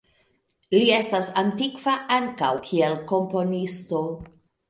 Li estas aktiva ankaŭ, kiel komponisto.